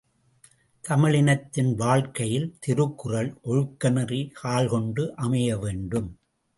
தமிழினத்தின் வாழ்க்கையில் திருக்குறள் ஒழுக்கநெறி கால்கொண்டு அமையவேண்டும்.